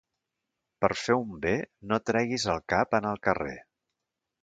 Per fer un bé no treguis el cap en el carrer.